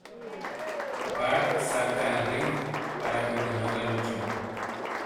Bart salta al ring para continuar la lucha.